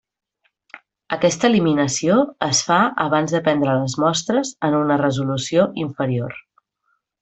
Aquesta eliminació es fa abans de prendre les mostres en una resolució inferior.